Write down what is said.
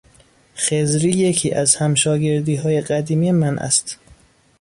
خضری یکی از همشاگردیهای قدیمی من است.